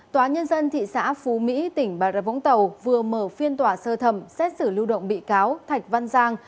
tòa nhân dân thị xã phú mỹ tỉnh bà rập vũng tàu vừa mở phiên tòa sơ thẩm xét xử lưu động bị cáo thạch văn giang